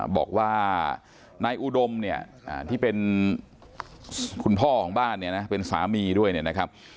บอกว่านายอุดมเนี่ยที่เป็นคุณพ่อของบ้านเนี่ยนะเป็นสามีด้วยเนี่ยนะครับ